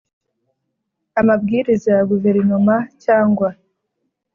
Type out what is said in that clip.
amabwiriza ya Guverinoma cyangwa